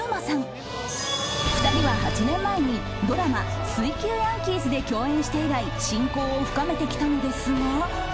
［２人は８年前にドラマ『水球ヤンキース』で共演して以来親交を深めてきたのですが］